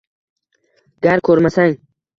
Gar ko’rmasang